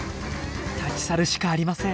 立ち去るしかありません。